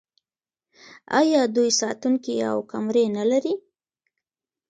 آیا دوی ساتونکي او کمرې نلري؟